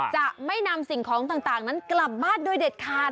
จะไม่นำสิ่งของต่างนั้นกลับบ้านโดยเด็ดขาด